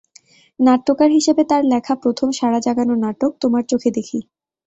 নাট্যকার হিসেবে তার লেখা প্রথম সাড়া জাগানো নাটক 'তোমার চোখে দেখি'।